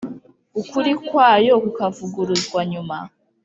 ukuri kwayo kukavuguruzwa nyuma